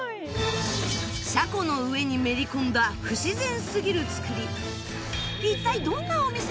車庫の上にめり込んだ不自然すぎる造り